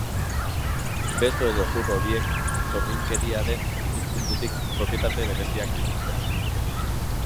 Beso edo hezur horiek sorginkeriaren ikuspuntutik propietate bereziak dituzte.